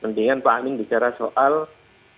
mendingan pak amin bicara sebuah hal yang berbeda ya